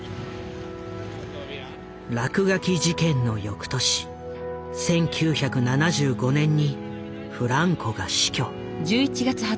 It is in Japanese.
落書き事件の翌年１９７５年にフランコが死去。